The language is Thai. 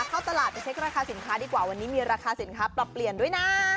เข้าตลาดไปเช็คราคาสินค้าดีกว่าวันนี้มีราคาสินค้าปรับเปลี่ยนด้วยนะ